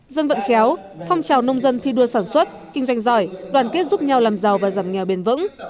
dân vận khéo phong trào nông dân thi đua sản xuất kinh doanh giỏi đoàn kết giúp nhau làm giàu và giảm nghèo bền vững